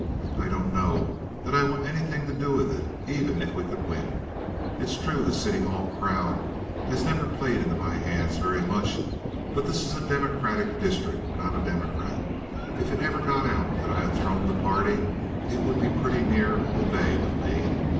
I don't know that I want anything to do with it even if we could win. It's true the City Hall crowd have never played into my hands very much; but this is a Democratic district, and I'm a Democrat. If it ever got out that I had thrown the party it would be pretty near all day with me.